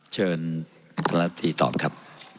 เชิญตลาดทีตอบครับ